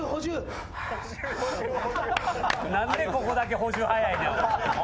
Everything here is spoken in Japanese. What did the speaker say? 何でここだけ補充早いねん。